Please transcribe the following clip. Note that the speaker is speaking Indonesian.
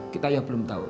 kita ya belum tahu